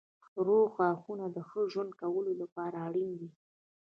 روغ غاښونه د ښه ژوند کولو لپاره اړین دي.